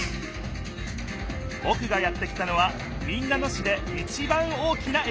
ぼくがやって来たのは民奈野市でいちばん大きなえき。